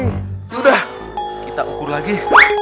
yaudah kita ukur lagi